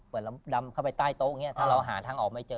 เผื่อเราดำเข้าไปใต้โต๊ะถ้าเราหาทางออกไม่เจอ